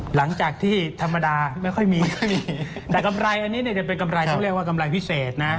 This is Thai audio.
หลังจากที่ธรรมดาไม่ค่อยมีแต่กำไรอันนี้เนี่ยจะเป็นกำไรต้องเรียกว่ากำไรพิเศษนะ